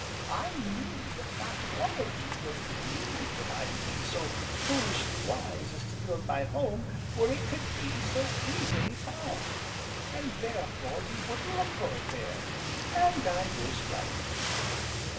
I knew that not one of you would dream that I would be so foolishly wise as to build my home where it could be so easily found, and therefore you wouldn't look for it there. And I was right."